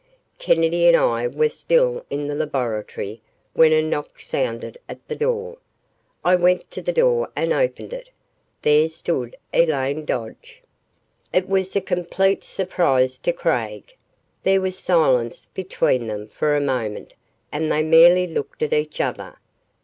Kennedy and I were still in the laboratory when a knock sounded at the door. I went to the door and opened it. There stood Elaine Dodge. It was a complete surprise to Craig. There was silence between them for a moment and they merely looked at each other.